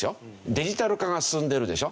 デジタル化が進んでるでしょ。